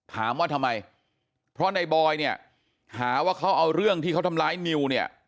ถามว่าทำไมเพราะในบอยเนี่ยหาว่าเขาเอาเรื่องที่เขาทำร้ายนิวเนี่ย